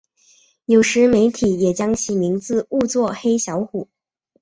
有时媒体也将其名字误作黑小虎。